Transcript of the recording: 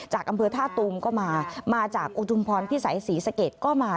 อำเภอท่าตูมก็มามาจากอุทุมพรพิสัยศรีสะเกดก็มา